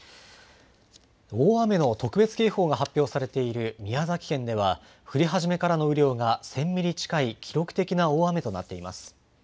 大雨の特別警報が発表されている宮崎県では、降り始めからの雨量が１０００ミリ近い記録的な大雨となっています。